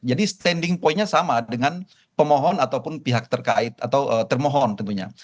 jadi standing pointnya sama dengan pemohon ataupun pihak terkait atau termohon tentunya